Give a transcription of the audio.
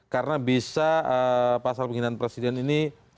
karena bisa pasal penghinaan presiden ini